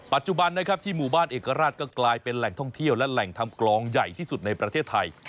ปัจจุบันนะครับที่หมู่บ้านเอกราชก็กลายเป็นแหล่งท่องเที่ยวและแหล่งทำกลองใหญ่ที่สุดในประเทศไทย